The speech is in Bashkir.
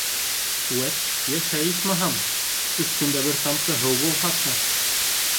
«Вәт йәшәй, исмаһам, өҫтөндә бер тамсы һыу булһасы...»